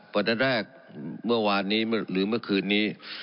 ประเด็นแรกเมื่อวานนี้หรือเมื่อคืนนี้